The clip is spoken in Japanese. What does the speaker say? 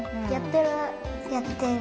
やってる！